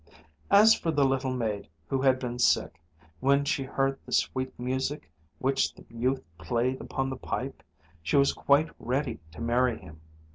As for the little maid who had been sick, when she heard the sweet music which the youth played upon the pipe, she was quite ready to marry him.